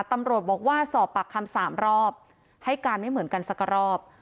ตำรวจบอกว่าสอบปากคำสามรอบให้การไม่เหมือนกันสักรอบ